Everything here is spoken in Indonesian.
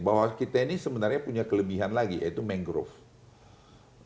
bahwa kita ini sebenarnya punya kelebihan lagi yaitu mangrove